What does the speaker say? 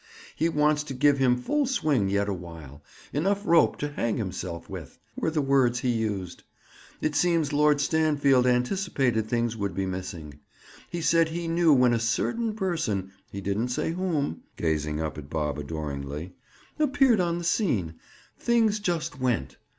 He wants to give him full swing yet a while—'enough rope to hang himself with,' were the words he used. It seems Lord Stanfield anticipated things would be missing. He said he knew when a certain person—he didn't say whom"—gazing up at Bob adoringly—"appeared on the scene, things just went.